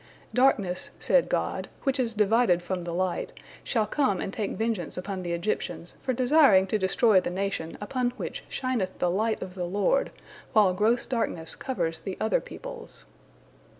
"Darkness," said God, "which is divided from the light, shall come and take vengeance upon the Egyptians for desiring to destroy the nation upon which shineth the light of the Lord, while gross darkness covers the other peoples."